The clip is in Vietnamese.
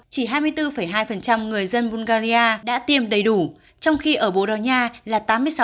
chỉ hai mươi bốn hai người dân bulgaria đã tiêm đầy đủ trong khi ở boronia là tám mươi sáu bảy